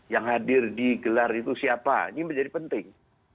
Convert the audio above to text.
yang hadir di gelar itu siapa ini menjadi penting